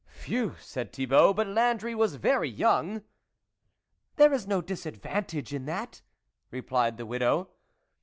" Phew !" said Thibault ;" but Landry was very young !" "There is no disadvantage in that," replied the widow.